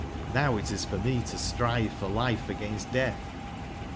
)Vow is it for me to strive for life against deatb'^j!?